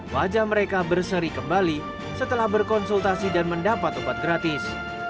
wajah mereka berseri kembali setelah berkonsultasi dan mendapat obat gratis